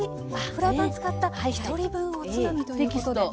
フライパン使った「ひとり分おつまみ」ということで。